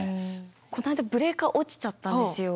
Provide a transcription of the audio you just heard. こないだブレーカー落ちちゃったんですよ。